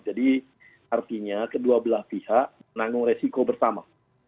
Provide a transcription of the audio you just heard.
jadi artinya kedua belah pihak menanggung resiko bersama